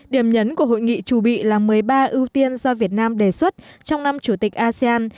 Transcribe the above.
điểm nhấn của hội nghị chủ bị là một mươi ba ưu tiên do việt nam đề xuất trong năm chủ tịch asean